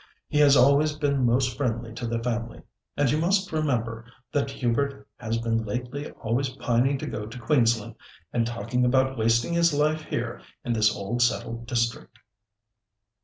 He has always been most friendly to the family. And you must remember that Hubert has been lately always pining to go to Queensland, and talking about wasting his life here in this old settled district."